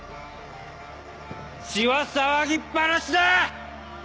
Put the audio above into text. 血は騒ぎっぱなしだ！